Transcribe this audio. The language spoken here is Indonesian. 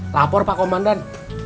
lapor pak komandan